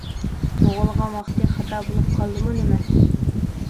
تۇغۇلغان ۋاقتى خاتا بولۇپ قالدىمۇ نېمە؟